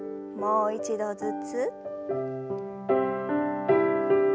もう一度ずつ。